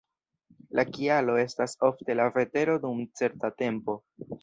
La kialo estas ofte la vetero dum certa tempo.